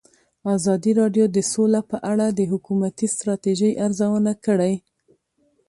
ازادي راډیو د سوله په اړه د حکومتي ستراتیژۍ ارزونه کړې.